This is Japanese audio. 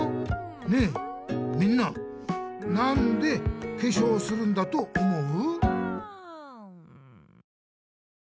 ねえみんななんでけしょうをするんだと思う？